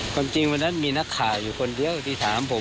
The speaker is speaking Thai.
ความจริงวันนั้นมีนักข่าวอยู่คนเดียวที่ถามผม